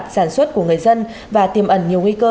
sản xuất của người dân và tiềm ẩn nhiều nguy cơ